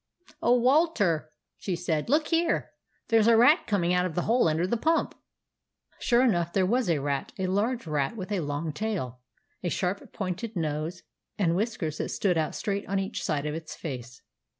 " Oh, Walter !" she said. " Look here ! There s a rat coming out of the hole under the pump !" Sure enough there was a rat, — a large rat with a long tail, a sharp pointed nose, and whiskers that stood out straight on each side of its face.